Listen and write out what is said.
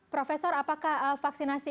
profesor apakah vaksinasi